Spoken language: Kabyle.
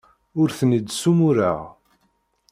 Ur ten-id-ssumureɣ.